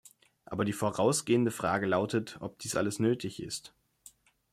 Aber die vorausgehende Frage lautet, ob dies alles nötig ist.